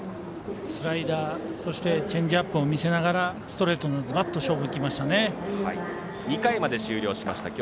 スライダーそしてチェンジアップを見せながらストレートにズバッと勝負いきましたね。